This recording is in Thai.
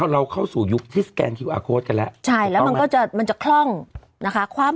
เราเข้าสู่ยุคที่สแกนคิวอาร์โค้ดกันแล้วใช่แล้วมันก็จะมันจะคล่องนะคะ